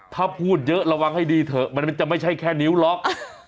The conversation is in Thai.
ถ้าพูดเยอะระวังให้ดีเถอะมันจะไม่ใช่แค่นิ้วล็อก